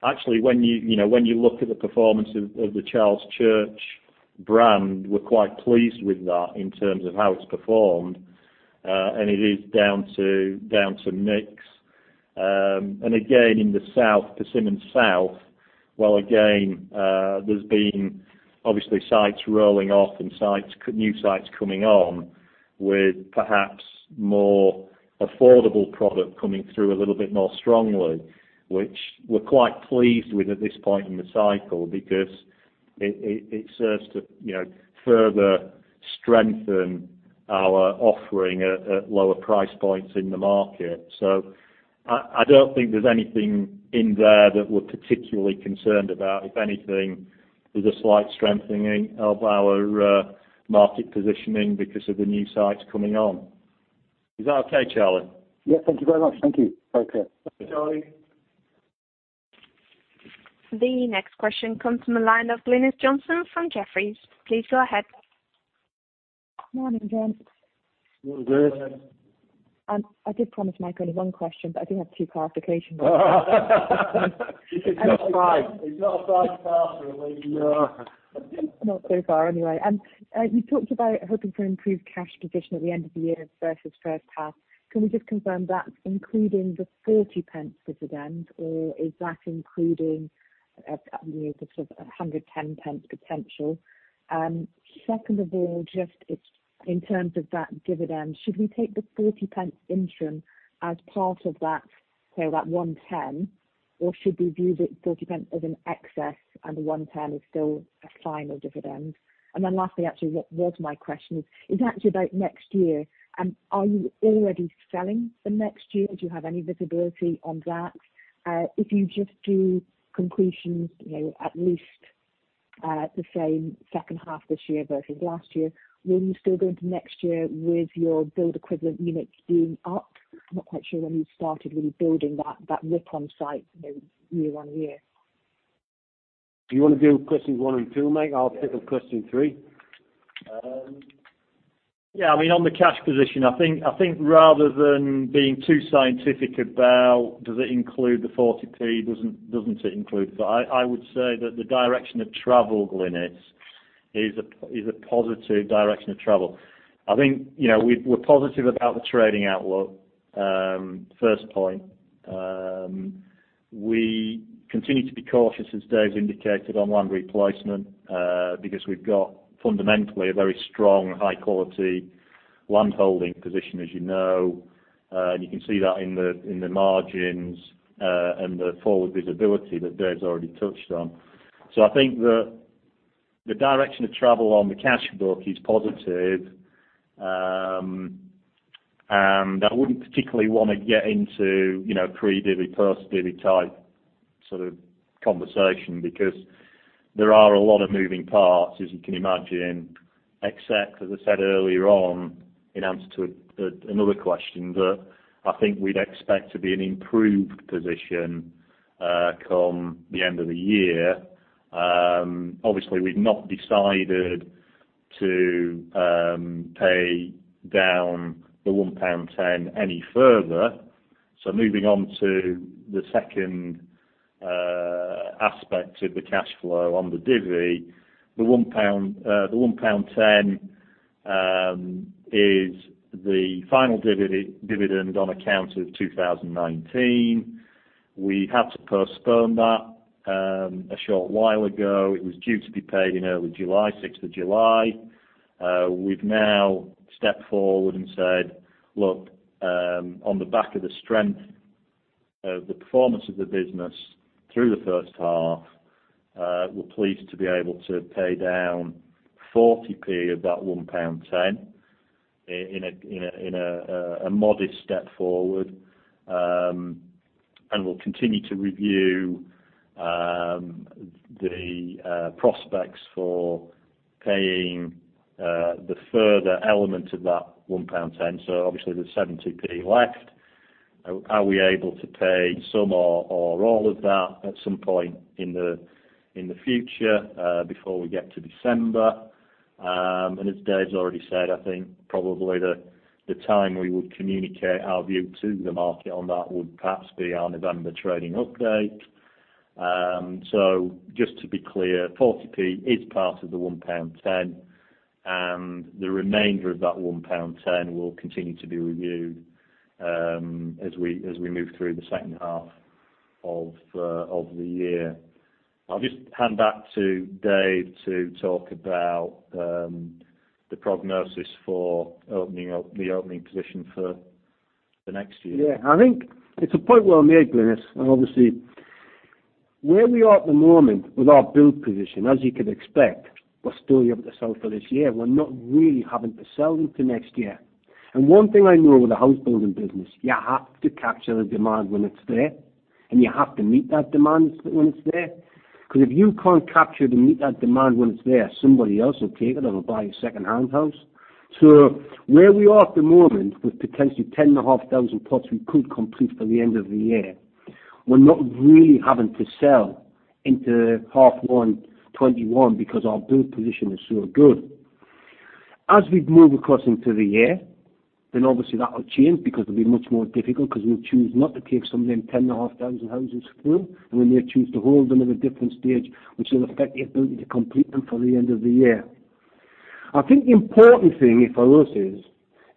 actually, when you look at the performance of the Charles Church brand, we're quite pleased with that in terms of how it's performed. It is down to mix. Again, in the South, Persimmon Homes, while again, there's been obviously sites rolling off and new sites coming on with perhaps more affordable product coming through a little bit more strongly. Which we're quite pleased with at this point in the cycle because it serves to further strengthen our offering at lower price points in the market. I don't think there's anything in there that we're particularly concerned about. If anything, there's a slight strengthening of our market positioning because of the new sites coming on. Is that okay, Charlie? Yes. Thank you very much. Thank you. Okay. Thanks, Charlie. The next question comes from the line of Glynis Johnson from Jefferies. Please go ahead. Morning, gents. Morning, Glynis. I did promise Mike only one question, but I do have two clarifications. He could ask five. He's got a five question for a day. Not so far, anyway. You talked about hoping for improved cash position at the end of the year versus first half. Can we just confirm that's including the 0.40 dividend or is that including the 1.10 potential? Second of all, just in terms of that dividend, should we take the 0.40 interim as part of that, say, that 1.10, or should we view the 0.40 as an excess and the 1.10 is still a final dividend? Lastly, actually, what was my question is actually about next year. Are you already selling for next year? Do you have any visibility on that? If you just do completions, at least, the same second half this year versus last year, will you still go into next year with your build equivalent units being up? I'm not quite sure when you started really building that WIP on site year on year. Do you want to do questions one and two, mate? I'll pick up question three. On the cash position, I think rather than being too scientific about does it include the 0.40, doesn't it include the I would say that the direction of travel, Glynis, is a positive direction of travel. I think, we're positive about the trading outlook. First point, we continue to be cautious, as Dave's indicated, on land replacement, because we've got fundamentally a very strong, high-quality landholding position, as you know. You can see that in the margins, and the forward visibility that Dave's already touched on. I think the direction of travel on the cash book is positive. I wouldn't particularly want to get into, pre-divvy, post-divvy type sort of conversation because there are a lot of moving parts, as you can imagine, except, as I said earlier on in answer to another question, that I think we'd expect to be an improved position, come the end of the year. Obviously, we've not decided to pay down the 1.10 pound any further. Moving on to the second aspect of the cash flow on the divvy. The 1.10 pound, is the final dividend on account of 2019. We had to postpone that a short while ago. It was due to be paid in early July, 6th of July. We've now stepped forward and said, "Look, on the back of the strength of the performance of the business through the first half, we're pleased to be able to pay down 0.40 of that 1.10 pound in a modest step forward." We'll continue to review the prospects for paying the further element of that 1.10 pound. Obviously, there's 0.70 left. Are we able to pay some or all of that at some point in the future, before we get to December? As Dave's already said, I think probably the time we would communicate our view to the market on that would perhaps be our November trading update. Just to be clear, 0.40 is part of the 1.10 pound and the remainder of that 1.10 pound will continue to be reviewed as we move through the second half of the year. I'll just hand back to Dave to talk about the prognosis for the opening position for the next year. Yeah, I think it's a point well made, Glynis. Obviously, where we are at the moment with our build position, as you could expect, we're still able to sell for this year. We're not really having to sell into next year. One thing I know with the house building business, you have to capture the demand when it's there, and you have to meet that demand when it's there. Because if you can't capture and meet that demand when it's there, somebody else will take it and will buy a secondhand house. Where we are at the moment with potentially 10,500 plots we could complete by the end of the year, we're not really having to sell into half one 2021 because our build position is so good. As we move across into the year, then obviously that will change because it'll be much more difficult because we'll choose not to take some of them 10,500 houses through, and we may choose to hold them at a different stage, which will affect the ability to complete them for the end of the year. I think the important thing for us is,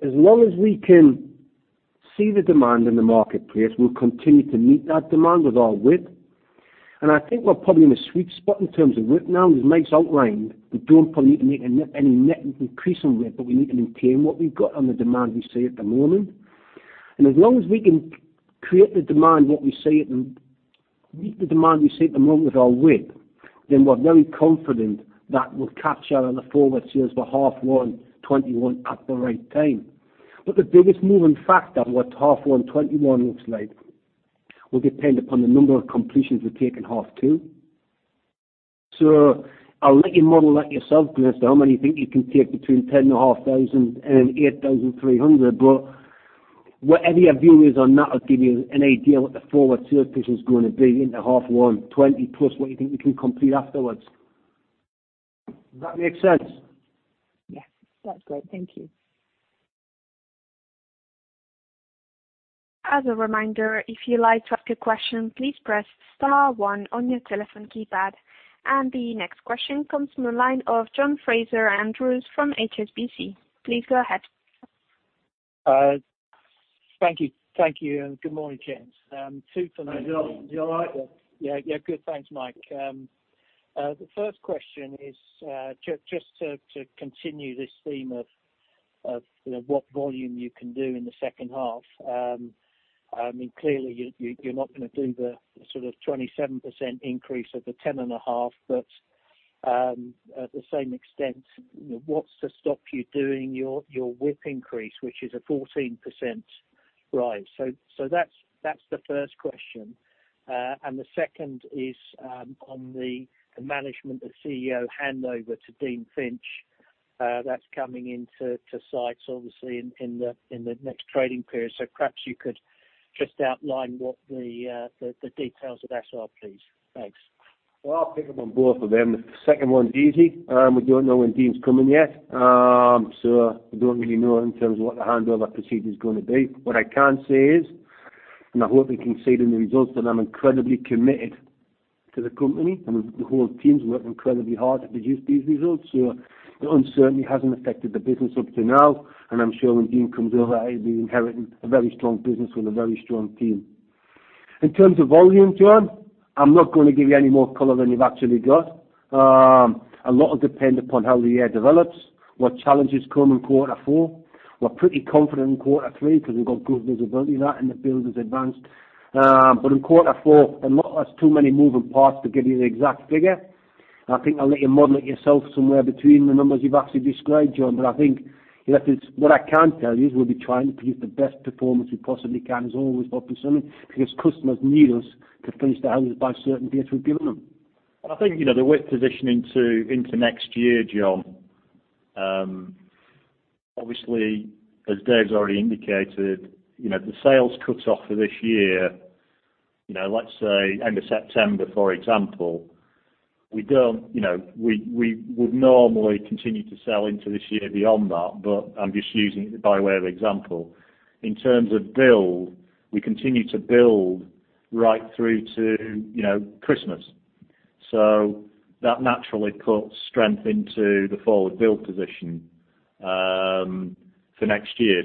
as long as we can see the demand in the marketplace, we'll continue to meet that demand with our WIP. I think we're probably in a sweet spot in terms of WIP now. As Mike's outlined, we don't probably need to make any net increase on WIP, but we need to maintain what we've got on the demand we see at the moment. As long as we can create the demand what we see, meet the demand we see at the moment with our WIP, then we're very confident that we'll capture the forward sales for half 1 2021 at the right time. The biggest moving factor, what half 1 2021 looks like, will depend upon the number of completions we take in half two. I'll let you model it yourself, Glynis. How many you think you can take between 10,500 and 8,300? Whatever your view is on that, I'll give you an idea what the forward sales pitch is going to be into half one, 20+ what you think we can complete afterwards. Does that make sense? Yes. That's great. Thank you. The next question comes from the line of John Fraser-Andrews from HSBC. Please go ahead. Thank you. Thank you, and good morning, gents. Two for me. You all right, John? Good. Thanks, Mike. The first question is just to continue this theme of what volume you can do in the second half. Clearly, you're not going to do the sort of 27% increase over 10.5, but at the same extent, what's to stop you doing your WIP increase, which is a 14% rise? The second is on the management of CEO handover to Dean Finch. That's coming into sights, obviously, in the next trading period. Perhaps you could just outline what the details of that are, please. Thanks. Well, I'll pick up on both of them. The second one's easy. We don't know when Dean's coming yet, so we don't really know in terms of what the handover procedure is going to be. What I can say is, and I hope you can see it in the results, that I'm incredibly committed to the company and the whole team's worked incredibly hard to produce these results. The uncertainty hasn't affected the business up to now, and I'm sure when Dean comes over, he'll be inheriting a very strong business with a very strong team. In terms of volume, John, I'm not going to give you any more color than you've actually got. A lot will depend upon how the year develops, what challenges come in quarter four. We're pretty confident in quarter three because we've got good visibility of that, and the build has advanced. In quarter four, there's too many moving parts to give you the exact figure. I think I'll let you model it yourself somewhere between the numbers you've actually described, John. I think what I can tell you is we'll be trying to produce the best performance we possibly can, as always, obviously, because customers need us to finish their houses by certain dates we've given them. I think the WIP position into next year, John, obviously, as Dave's already indicated, the sales cuts off for this year, let's say end of September, for example. We would normally continue to sell into this year beyond that, but I'm just using it by way of example. In terms of build, we continue to build right through to Christmas. That naturally puts strength into the forward build position for next year.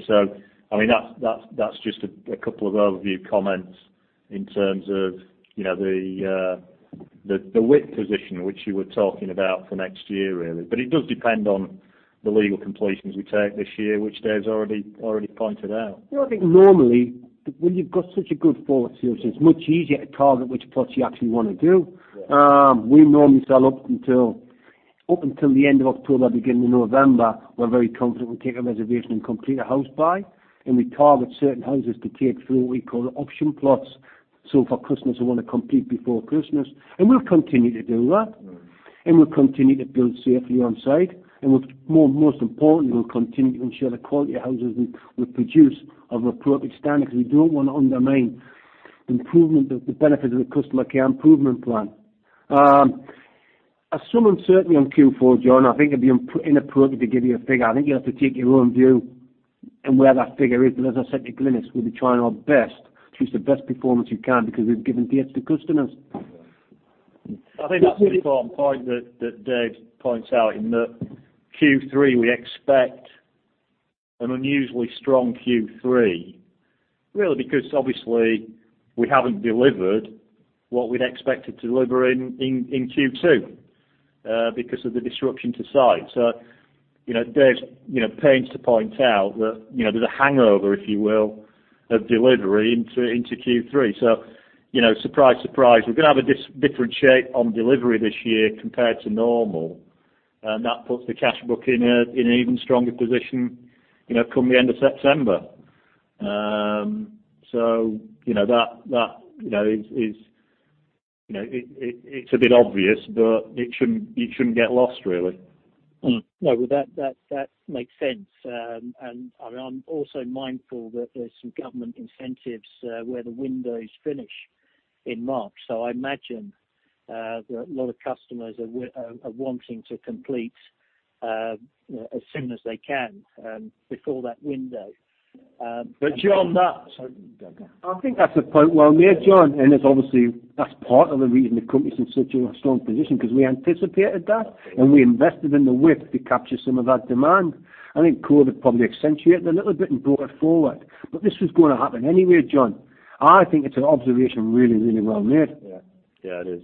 That's just a couple of overview comments in terms of the WIP position, which you were talking about for next year, really. It does depend on the legal completions we take this year, which Dave's already pointed out. I think normally, when you've got such a good forward sales, it's much easier to target which plots you actually want to do. Yes. We normally sell up until the end of October, beginning of November. We're very confident we take a reservation and complete a house buy, and we target certain houses to take through what we call option plots. For Christmas, we want to complete before Christmas, and we'll continue to do that. We'll continue to build safely on-site, and most importantly, we'll continue to ensure the quality of houses we produce of appropriate standard because we don't want to undermine the benefits of the customer care improvement plan. There's some uncertainty on Q4, John. I think it'd be inappropriate to give you a figure. I think you have to take your own view on where that figure is. As I said to Glynis, we'll be trying our best to achieve the best performance we can because we've given dates to customers. Yeah. I think that's an important point that Dave points out in that Q3, we expect an unusually strong Q3, really because obviously we haven't delivered what we'd expected to deliver in Q2 because of the disruption to site. Dave pains to point out that there's a hangover, if you will, of delivery into Q3. Surprise, surprise. We're going to have a different shape on delivery this year compared to normal, and that puts the cash book in an even stronger position come the end of September. It's a bit obvious, but it shouldn't get lost, really. No. Well, that makes sense. I'm also mindful that there's some government incentives where the windows finish in March. I imagine that a lot of customers are wanting to complete as soon as they can before that window. John. Sorry. Go. I think that's a point well made, John. Obviously that's part of the reason the company's in such a strong position because we anticipated that and we invested in the WIP to capture some of that demand. I think COVID probably accentuated a little bit and brought it forward. This was going to happen anyway, John. I think it's an observation really well made. Yeah. It is.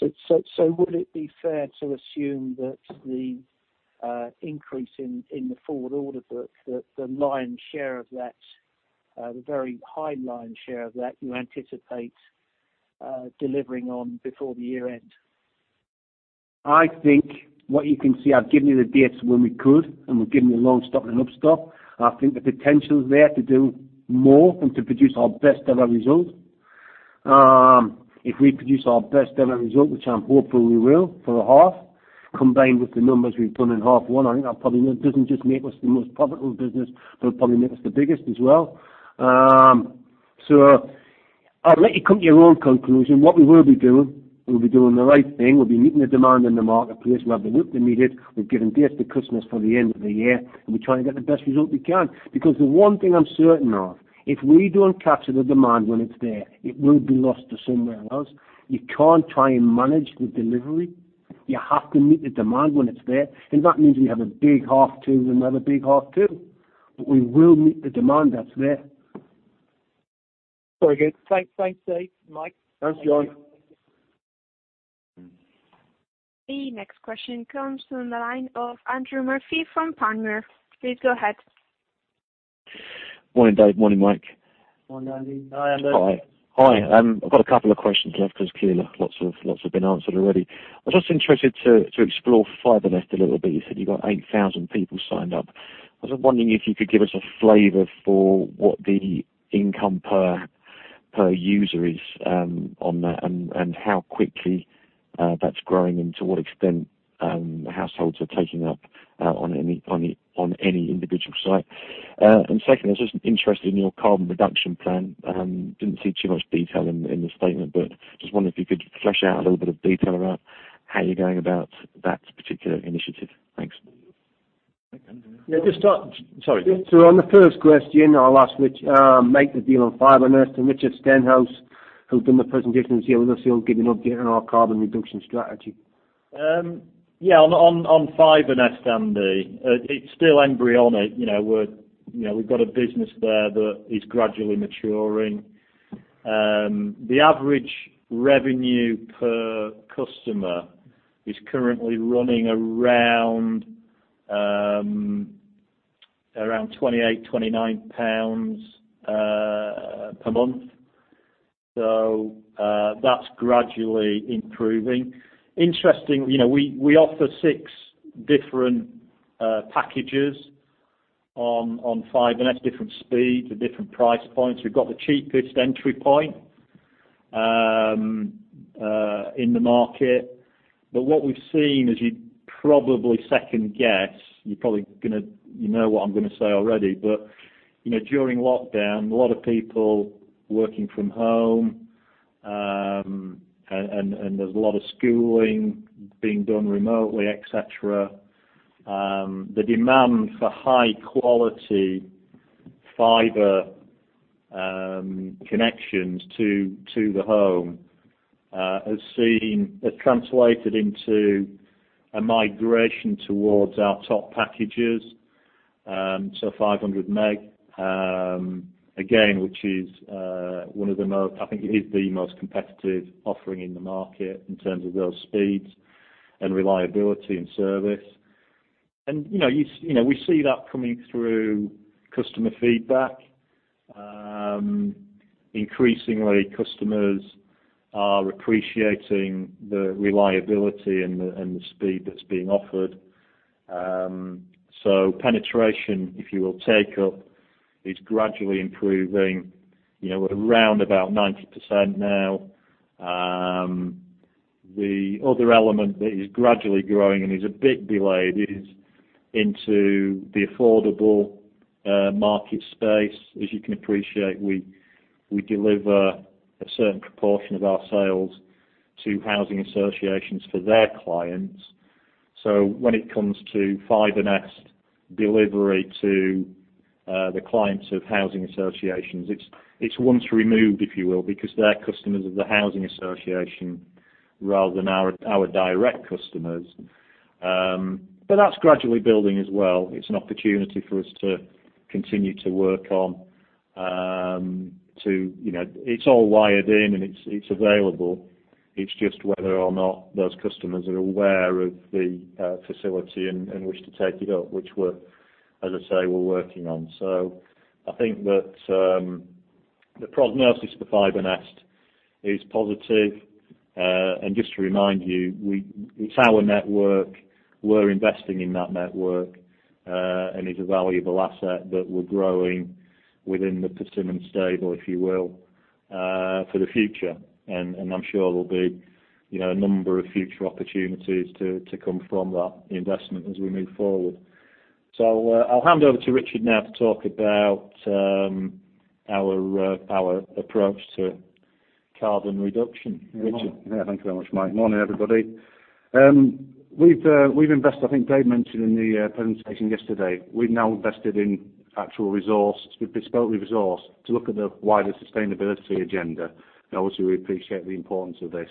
Would it be fair to assume that the increase in the forward order book, that the lion's share of that, the very high lion's share of that, you anticipate delivering on before the year end? I think what you can see, I've given you the dates when we could, and we've given you a low stock and up stock. I think the potential is there to do more and to produce our best ever result. If we produce our best ever result, which I'm hopeful we will for a half, combined with the numbers we've done in half one, I think that probably doesn't just make us the most profitable business, but it probably makes us the biggest as well. I'll let you come to your own conclusion. What we will be doing, we'll be doing the right thing. We'll be meeting the demand in the marketplace. We have the work to meet it. We've given dates to customers for the end of the year, and we're trying to get the best result we can. The one thing I'm certain of, if we don't capture the demand when it's there, it will be lost to somewhere else. You can't try and manage the delivery. You have to meet the demand when it's there. If that means we have a big half two, then we'll have a big half two. We will meet the demand that's there. Very good. Thanks, Dave, Mike. Thanks, John. The next question comes from the line of Andrew Murphy from Panmure. Please go ahead. Morning, Dave. Morning, Mike. Morning, Andrew. Hi, Andrew. Hi. I've got a couple of questions left, because clearly lots have been answered already. I was just interested to explore FibreNest a little bit. You said you got 8,000 people signed up. I was wondering if you could give us a flavor for what the income per user is on that and how quickly that's growing and to what extent households are taking up on any individual site. Second, I was just interested in your carbon reduction plan. Did not see too much detail in the statement, just wondering if you could flesh out a little bit of detail about how you're going about that particular initiative. Thanks. Yeah. Sorry. On the first question, I'll ask Mike the deal on FibreNest, and Richard Stenhouse, who's done the presentation this year, will also give an update on our carbon reduction strategy. Yeah, on FibreNest, Andrew it's still embryonic. We've got a business there that is gradually maturing. The average revenue per customer is currently running around £28, £29 per month. That's gradually improving. Interesting, we offer six different packages on FibreNest, different speeds at different price points. We've got the cheapest entry point in the market. What we've seen, as you'd probably second-guess, you probably know what I'm going to say already, but during lockdown, a lot of people working from home, and there's a lot of schooling being done remotely, et cetera. The demand for high-quality fiber connections to the home has translated into a migration towards our top packages. 500Mbps, again, which I think it is the most competitive offering in the market in terms of those speeds and reliability and service. We see that coming through customer feedback. Increasingly, customers are appreciating the reliability and the speed that's being offered. Penetration, if you will, take-up, is gradually improving. We're around about 90% now. The other element that is gradually growing and is a bit delayed is into the affordable market space. As you can appreciate, we deliver a certain proportion of our sales to housing associations for their clients. When it comes to FibreNest delivery to the clients of housing associations, it's once removed, if you will, because they're customers of the housing association rather than our direct customers. That's gradually building as well. It's an opportunity for us to continue to work on. It's all wired in, and it's available. It's just whether or not those customers are aware of the facility and wish to take it up, which, as I say, we're working on. I think that the prognosis for FibreNest is positive. Just to remind you, it's our network. We're investing in that network, and it's a valuable asset that we're growing within the Persimmon stable, if you will, for the future. I'm sure there'll be a number of future opportunities to come from that investment as we move forward. I'll hand over to Richard now to talk about our approach to carbon reduction. Richard. Yeah. Thank you very much, Mike. Morning, everybody. We've invested, I think Dave mentioned in the presentation yesterday, we've now invested in actual resource, specifically resource, to look at the wider sustainability agenda. Obviously, we appreciate the importance of this.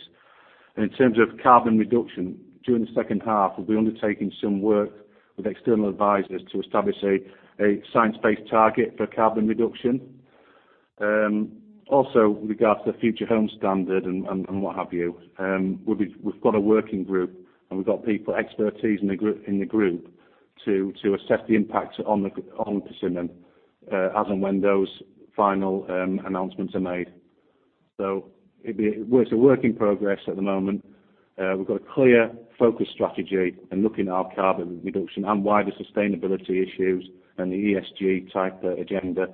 In terms of carbon reduction, during the second half, we'll be undertaking some work with external advisors to establish a science-based target for carbon reduction. Also with regards to the Future Homes Standard and what have you, we've got a working group, and we've got people, expertise in the group, to assess the impact on the Persimmon as and when those final announcements are made. It's a work in progress at the moment. We've got a clear focus strategy in looking at our carbon reduction and wider sustainability issues and the ESG type agenda,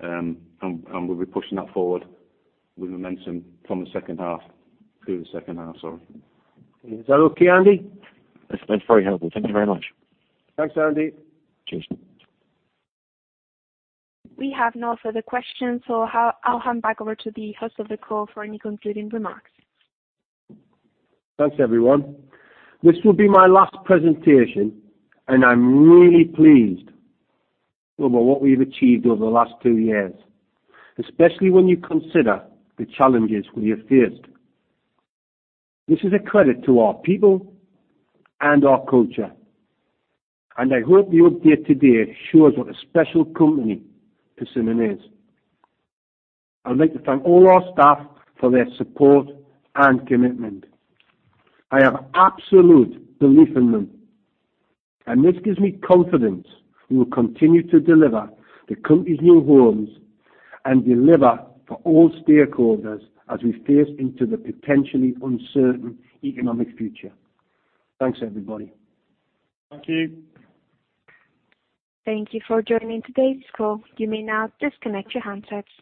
and we'll be pushing that forward with momentum through the second half, sorry. Is that okay, Andrew? That's very helpful. Thank you very much. Thanks, Andrew. Cheers. We have no further questions, so I'll hand back over to the host of the call for any concluding remarks. Thanks, everyone. This will be my last presentation, and I'm really pleased about what we've achieved over the last two years, especially when you consider the challenges we have faced. This is a credit to our people and our culture, and I hope the update today shows what a special company Persimmon is. I'd like to thank all our staff for their support and commitment. I have absolute belief in them, and this gives me confidence we will continue to deliver the company's new homes and deliver for all stakeholders as we face into the potentially uncertain economic future. Thanks, everybody. Thank you. Thank you for joining today's call. You may now disconnect your handsets.